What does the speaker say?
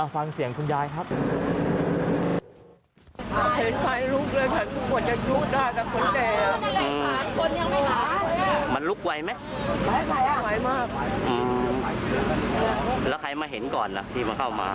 ฟังเสียงคุณยายครับ